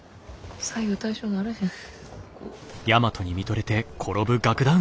左右対称にならへん。